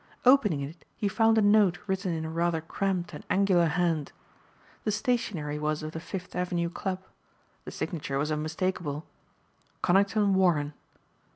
Opening it he found a note written in a rather cramped and angular hand. The stationery was of the Fifth Avenue club. The signature was unmistakable, "Conington Warren."